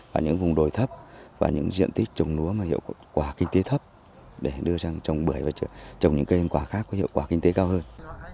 ở những vùng đồi thấp và những diện tích trồng lúa mà hiệu quả kinh tế thấp để đưa sang trồng bưởi và trồng những cây ăn quả khác có hiệu quả kinh tế cao hơn